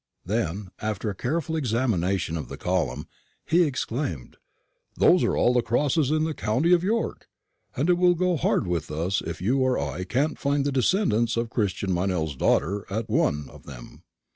Then, after a careful examination of the column, he exclaimed, "Those are all the Crosses in the county of York, and it will go hard with us if you or I can't find the descendants of Christian Meynell's daughter at one of them.